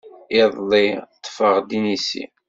Iḍelli ṭṭfeɣ-d inisi.